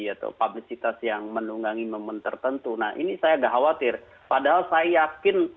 atau publisitas yang menunggangi momen tertentu nah ini saya agak khawatir padahal saya yakin